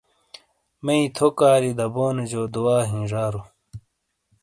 میئی تھو کاری دبونے جو دعا ہیئی زارُو۔